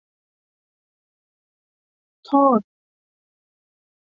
โทษ